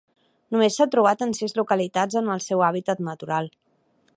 Només s'ha trobat en sis localitats en el seu hàbitat natural.